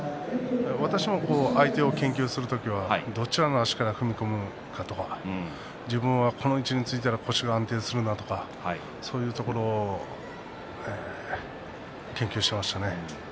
私も相手を研究してどちらの足から踏み込むのか自分がこの位置について腰が安定するのかとかそういうところを研究していました。